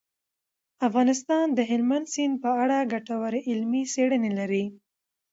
افغانستان د هلمند سیند په اړه ګټورې علمي څېړنې لري.